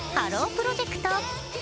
プロジェクト。